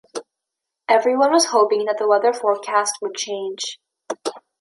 Everyone was hoping that the weather forecast would change.